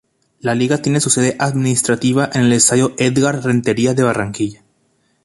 La Liga tiene su sede administrativa en el estadio Édgar Rentería de Barranquilla.